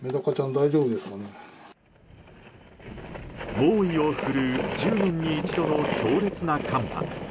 猛威を振るう１０年に一度の強烈な寒波。